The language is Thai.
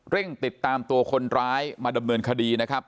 ติดตามตัวคนร้ายมาดำเนินคดีนะครับ